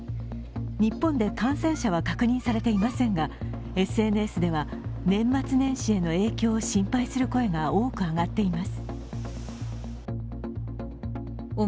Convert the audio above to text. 日本で感染者は確認されていませんがＳＮＳでは年末年始への影響を心配する声が多く上がっています。